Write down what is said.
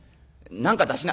何か出しな」。